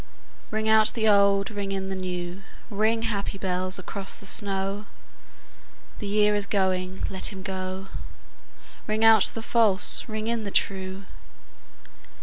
Ring out the old, ring in the new, Ring, happy bells, across the snow: The year is going, let him go; Ring out the false, ring in the true.